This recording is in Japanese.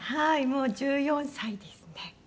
もう１４歳ですね。